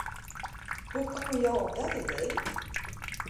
Hoe komme jo op dat idee?